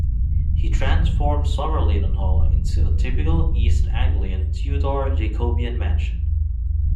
He transformed Somerleyton Hall into a typical East Anglian Tudor-Jacobean mansion.